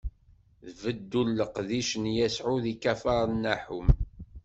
D beddu n leqdic n Yasuɛ di Kafar Naḥum.